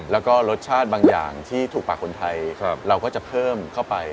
แล้วก็รสชาติบางอย่างที่ถูกปากคนไทยเราก็จะเพิ่มเข้าไป